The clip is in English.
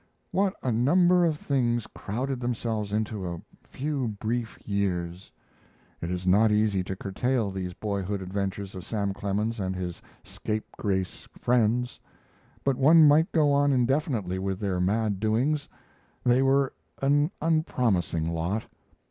What a number of things crowded themselves into a few brief years! It is not easy to curtail these boyhood adventures of Sam Clemens and his scapegrace friends, but one might go on indefinitely with their mad doings. They were an unpromising lot.